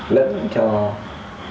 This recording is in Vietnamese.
lẫn cho các trường mầm non tư thục